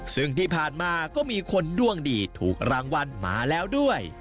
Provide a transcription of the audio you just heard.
ซึ่งที่ผ่านมาก็มีคนดวงดีถูกรางวัลมาแล้วด้วย